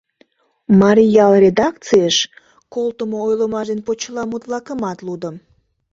«Марий ял» редакцийыш колтымо ойлымаш ден почеламут-влакымат лудым.